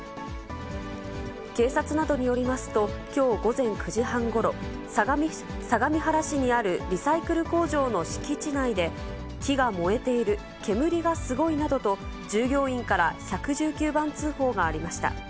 警察などによりますと、きょう午前９時半ごろ、相模原市にあるリサイクル工場の敷地内で木が燃えている、煙がすごいなどと、従業員から１１９番通報がありました。